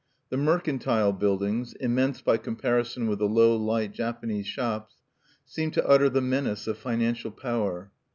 The mercantile buildings immense by comparison with the low light Japanese shops seem to utter the menace of financial power.